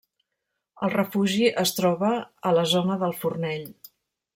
El refugi es troba a la zona del Fornell.